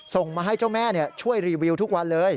ส่งมาให้เจ้าแม่ช่วยรีวิวทุกวันเลย